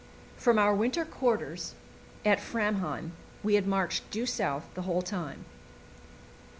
From our winter quarters at Framheim we had marched due south the whole time.